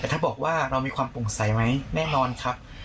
ถ้าบอกว่าเรามีความปงสัยไหมแน่นอนครับ